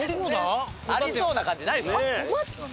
全然ありそうな感じないです。